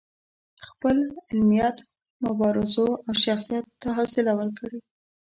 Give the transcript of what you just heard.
خپل علمیت، مبارزو او شخصیت دا حوصله ورکړې.